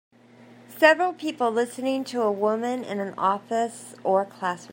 Several people listening to a woman in a office or classroom